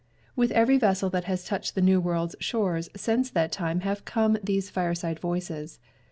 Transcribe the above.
With every vessel that has touched the New World's shores since that time have come these fireside voices.